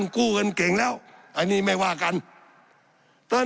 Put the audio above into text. สับขาหลอกกันไปสับขาหลอกกันไป